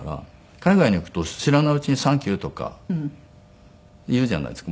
海外に行くと知らないうちに「サンキュー」とか言うじゃないですか。